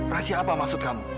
rahasia apa maksud kamu